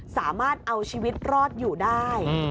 สามารถเอาชีวิตรอดอยู่ได้